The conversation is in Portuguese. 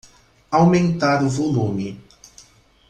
Aumentar o volume.